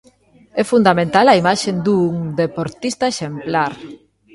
É fundamentalmente a imaxe dun deportista exemplar.